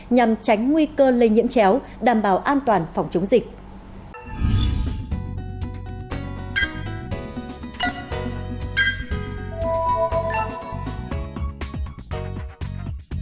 nhằm tránh nguy cơ lây nhiễm chéo đảm bảo an toàn phòng chống dịch